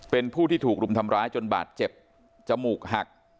เป็นผู้ที่ถูกรุมทำร้ายจนบาดเจ็บจมูกหัก